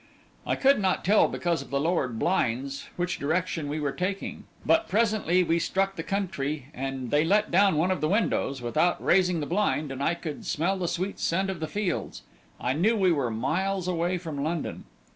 "I could not tell, because of the lowered blinds, which direction we were taking, but presently we struck the country and they let down one of the windows without raising the blind and I could smell the sweet scent of the fields, and knew we were miles away from London.